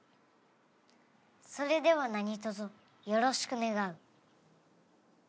それでは何とぞよろしく願う。